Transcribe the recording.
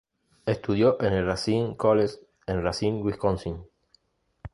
Estudió en el Racine College en Racine, Wisconsin.